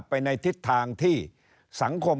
ไปในทิศทางที่สังคม